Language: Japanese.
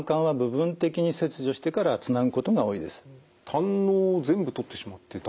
胆のうを全部取ってしまって大丈夫ですか？